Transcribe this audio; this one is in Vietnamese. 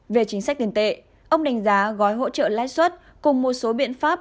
về chính sách tiền tệ ông đánh giá gói hỗ trợ lãi suất cùng một số biện pháp